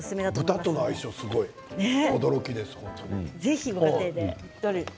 豚との相性が驚きです。